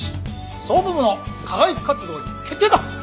総務部の課外活動に決定だ。